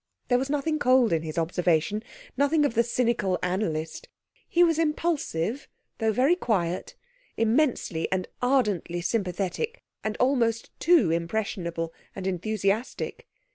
There was nothing cold in his observation, nothing of the cynical analyst. He was impulsive, though very quiet, immensely and ardently sympathetic and almost too impressionable and enthusiastic.